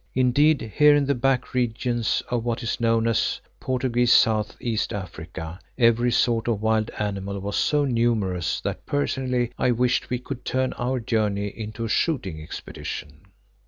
Indeed, here in the back regions of what is known as Portuguese South East Africa, every sort of wild animal was so numerous that personally I wished we could turn our journey into a shooting expedition.